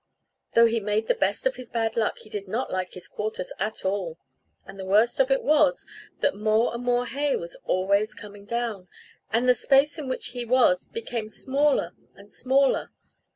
Though he made the best of his bad luck, he did not like his quarters at all; and the worst of it was, that more and more hay was always coming down, and the space in which he was became smaller and smaller.